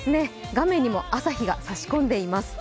画面にも朝日が差し込んでいます。